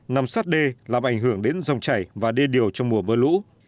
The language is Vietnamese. nằm sát đê làm ảnh hưởng đến dòng chảy và đê điều trong mùa mưa lũ